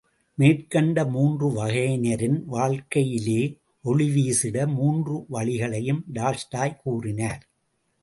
மேற்கண்ட மூன்று வகையினரின் வாழ்க்கையிலே ஒளி வீசிட மூன்று வழிகளையும் டால்ஸ்டாய் கூறினார்.